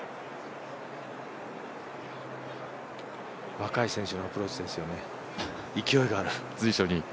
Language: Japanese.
若い選手のアプローチですよね、勢いがある。